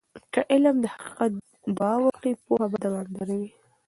که علم د حقیقت دعا وکړي، پوهه به دوامدار وي.